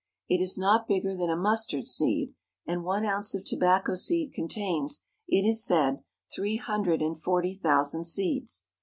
It is not bigger than a mustard seed, and one ounce of tobacco seed contains, it is said, three hun dred and forty thousand seeds.